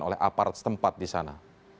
oleh apart tempat di sana